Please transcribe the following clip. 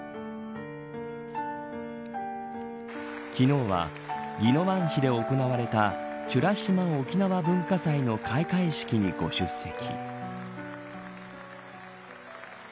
昨日は、宜野湾市で行われた美ら島おきなわ文化祭の開会式にご出席。